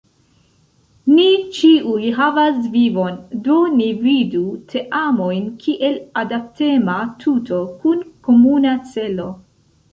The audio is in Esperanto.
Ni ĉiuj havas vivon, do ni vidu teamojn kiel adaptema tuto kun komuna celo.